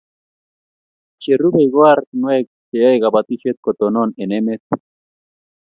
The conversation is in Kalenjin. Che rubei ko oratinwek che yae kabatishet ko tonon eng' emet